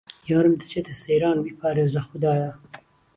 یارم دهچێته سهیران بیپارێزه خودایا